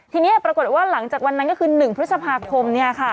ทีนี้ปรากฏว่าหลังจากวันนั้นก็คือ๑พฤษภาคม